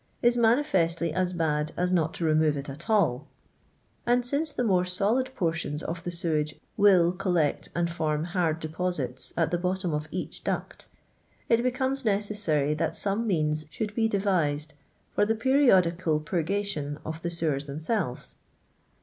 is manifestly as bad as not to remove it at all : and since the more solid portions of the sewage ; iriU collect and form hard deposits at the bott^^iD • of each duct, it becomes necessary that some I means should be devised for the periodical pu^ I gation of the sewers themselves.